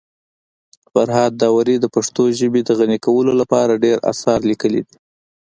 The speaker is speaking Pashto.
فرهاد داوري د پښتو ژبي د غني کولو لپاره ډير اثار لیکلي دي.